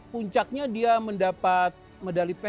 puncaknya dia mendapat medali perak